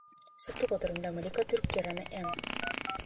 Соттук отурумда Малика түрк жараны М.